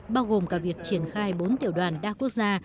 bao gồm cả việc triển khai bốn tiểu đoàn đa quốc gia